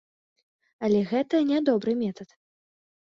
Але гэта не добры метад.